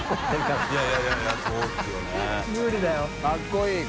かっこいい